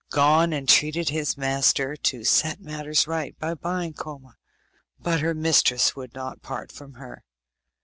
Gon entreated his master to set matters right by buying Koma, but her mistress would not part from her.